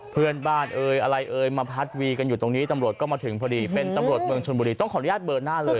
เพื่อนบ้านเอ่ยอะไรเอ่ยมาพัดวีกันอยู่ตรงนี้ตำรวจก็มาถึงพอดีเป็นตำรวจเมืองชนบุรีต้องขออนุญาตเบอร์หน้าเลย